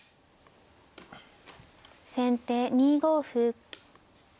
先手２五歩。